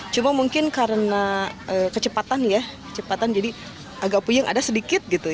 cuman mungkin karena kecepatan ya agak puyeng ada sedikit